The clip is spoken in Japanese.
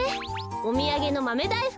おみやげのマメだいふく。